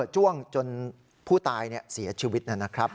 จ้วงจนผู้ตายเสียชีวิตนะครับ